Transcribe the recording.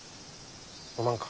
飲まんか？